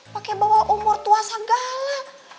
pakai bawah umur tua segala